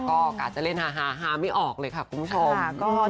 ก็กะจะเล่นฮาไม่ออกเลยค่ะคุณผู้ชม